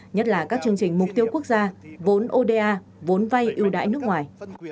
nhất là các chương trình mục tiêu quốc gia vốn oda vốn vay ưu đãi nước ngoài